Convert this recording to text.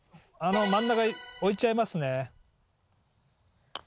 真ん中置いちゃいますね。